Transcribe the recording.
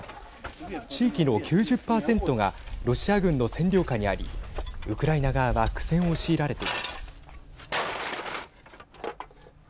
地域の９０％がロシア軍の占領下にありウクライナ側は苦戦を強いられています。